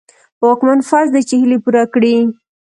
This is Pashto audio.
په واکمن فرض دي چې هيلې پوره کړي.